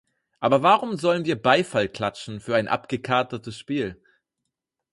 Aber warum sollten wir Beifall klatschen für ein abgekartetes Spiel?